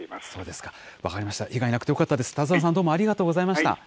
そうですか、分かりました。